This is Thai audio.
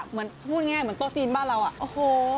เหมือนพูดง่ายเหมือนโต๊ะจีนบ้านเราอ่ะโอ้โห